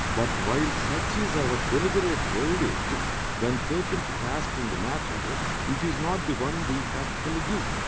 But while such is our deliberate verdict when taken to task in the matter, it is not the one we practically give.